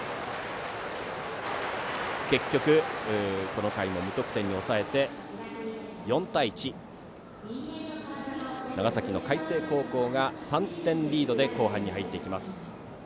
結局、この回も無得点に抑えて４対１、長崎の海星高校が３点リードで後半に入っていきます。